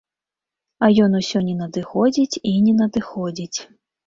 А ён усё не надыходзіць і не надыходзіць.